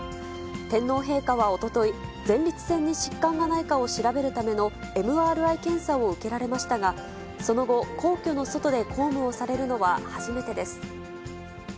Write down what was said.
天皇陛下はおととい、前立腺に疾患がないかを調べるためのＭＲＩ検査を受けられましたが、その後、皇居の外で公務をされるのは初めてです。